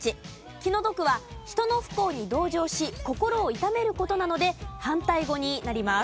気の毒は人の不幸に同情し心を痛める事なので反対語になります。